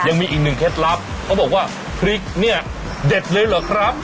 ยังมีอีกหนึ่งเคล็ดลับเขาบอกว่าพริกเนี่ยเด็ดเลยเหรอครับ